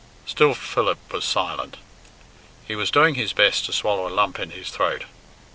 Still Philip was silent. He was doing his best to swallow a lump in his throat.